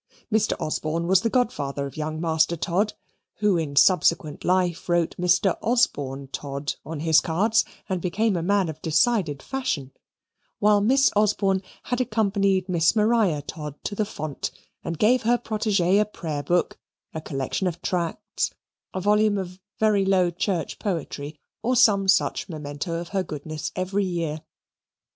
Mr. Osborne was the godfather of young Master Todd (who in subsequent life wrote Mr. Osborne Todd on his cards and became a man of decided fashion), while Miss Osborne had accompanied Miss Maria Todd to the font, and gave her protegee a prayer book, a collection of tracts, a volume of very low church poetry, or some such memento of her goodness every year.